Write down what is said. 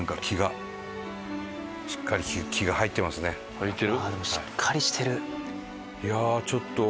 入ってる？